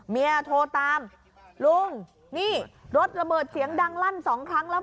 เมียโทรตามลุงนี่รถระเบิดเสียงดังลั่นสองครั้งแล้ว